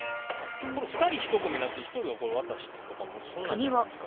２人１組になって１人がこれ渡してとかそんなんじゃないんですか？